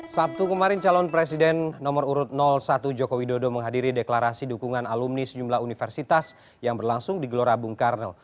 sabtu kemarin calon presiden nomor urut satu jokowi dodo menghadiri deklarasi dukungan alumni sejumlah universitas yang berlangsung di gelora bung karno